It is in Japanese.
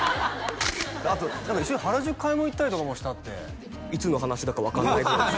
あと一緒に原宿買い物行ったりとかもしたっていつの話だか分からないぐらいです